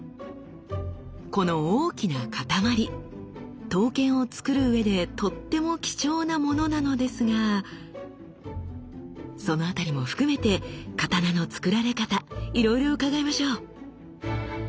この大きな塊刀剣をつくるうえでとっても貴重なものなのですがその辺りも含めて刀のつくられ方いろいろ伺いましょう。